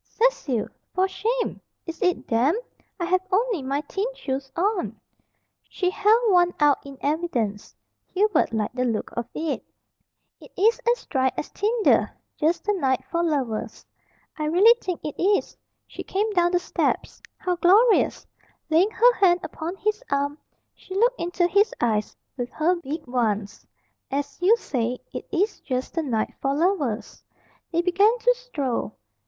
"Cecil! For shame! Is it damp? I have only my thin shoes on." She held one out in evidence. Hubert liked the look of it. "It is as dry as tinder; just the night for lovers." "I really think it is." She came down the steps. "How glorious!" Laying her hand upon his arm, she looked into his eyes with her big ones. "As you say, it is just the night for lovers." They began to stroll.